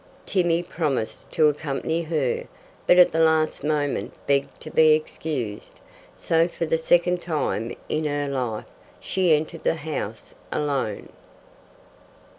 Tibby promised to accompany her, but at the last moment begged to be excused. So, for the second time in her life, she entered the house alone.